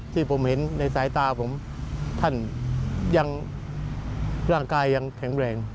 ที่ผมเห็นในสายตาผมท่านยังร่างกายยังแข็งแรง